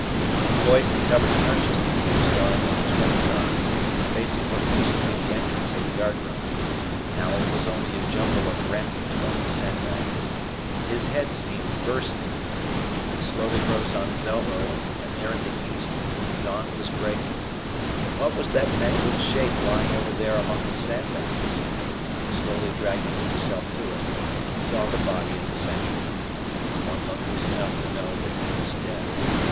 When Lloyd recovered consciousness, he was lying on his right side, facing what used to be the entrance of the guardroom. Now, it was only a jumble of rent and torn sandbags. His head seemed bursting. He slowly rose on his elbow, and there in the east the dawn was breaking. But what was that mangled shape lying over there among the sandbags? Slowly dragging himself to it, he saw the body of the sentry. One look was enough to know that he was dead.